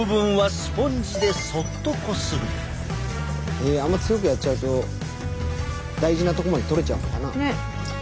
まずあんま強くやっちゃうと大事なとこまで取れちゃうのかな。